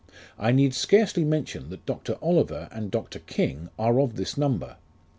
I need scarcely mention that Dr. Oliver 2 and Dr. King 3 are of this number.